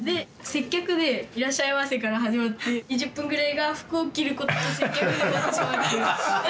接客で「いらっしゃいませ」から始まって２０分ぐらいが服を着ることで接客になってしまうっていう。